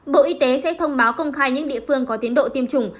bộ y tế sẽ thông báo công khai những địa phương có tiến độ tiêm chủng